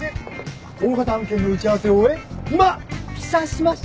大型案件の打ち合わせを終え今帰社しました！